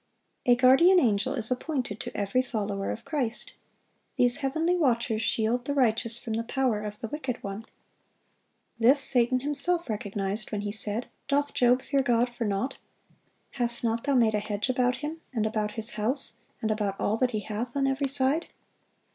A guardian angel is appointed to every follower of Christ. These heavenly watchers shield the righteous from the power of the wicked one. This Satan himself recognized when he said, "Doth Job fear God for naught? Hast not Thou made a hedge about him, and about his house, and about all that he hath on every side?"